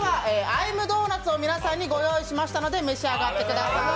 Ｉ’ｍｄｏｎｕｔ？を皆さんにご用意しましたので召し上がってください。